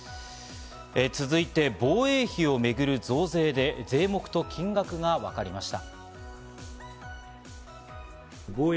続いて、防衛費を巡る増税で税目と金額がわかりました。